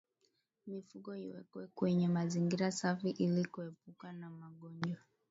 Mifugo iwekwe kwenye mazingira safi ili kuepuka magonjwa